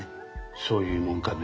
そういうもんかね。